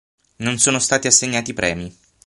Non sono stati assegnati premi.